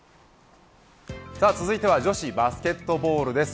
続いては女子バスケットボールです。